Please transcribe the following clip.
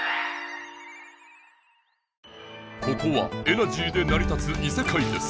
ここはエナジーでなり立ついせかいです！